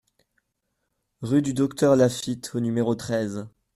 Rue du Docteur Lafitte au numéro treize